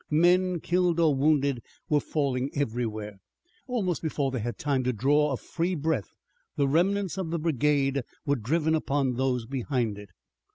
Men killed or wounded were falling everywhere. Almost before they had time to draw a free breath the remnants of the brigade were driven upon those behind it.